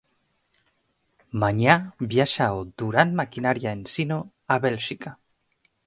Mañá viaxa o Durán Maquinaria Ensino a Bélxica.